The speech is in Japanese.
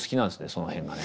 その辺がね。